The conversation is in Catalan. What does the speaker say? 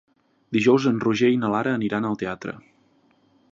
Dijous en Roger i na Lara aniran al teatre.